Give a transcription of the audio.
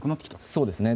そうですね。